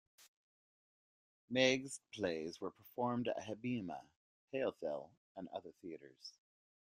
Megged's plays were performed at Habima, Ha-Ohel and other theaters.